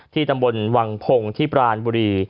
ที่ตระบวนหวังพงศ์ที่ปราณบุรี